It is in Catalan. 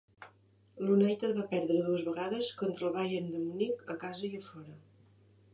L'United va perdre dues vegades contra el Bayern de Munic, a casa i a fora.